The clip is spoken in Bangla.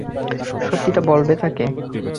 সত্যিটা বলবে তাঁকে।